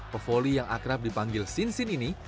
pevoli yang akrab dipanggil sinsin ini